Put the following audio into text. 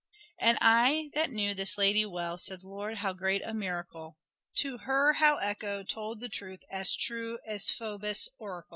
And I that knew this lady well, said, Lord, how great a miracle, To her how Echo told the truth as true as Phoebus oracle.